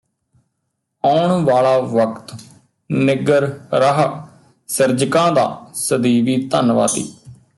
ਆਉਣ ਵਾਲਾ ਵਕਤ ਨਿੱਗਰ ਰਾਹ ਸਿਰਜਕਾਂ ਦਾ ਸਦੀਵੀ ਧੰਨਵਾਦੀ